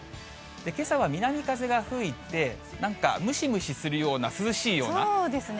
けさは南風が吹いて、なんかムシムシするような、そうですね。